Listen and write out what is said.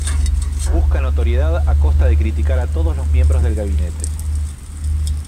Busca notoriedad a costa de criticar a todos los miembros del gabinete.